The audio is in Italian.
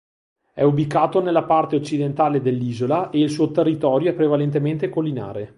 È ubicato nella parte occidentale dell'isola e il suo territorio è prevalentemente collinare.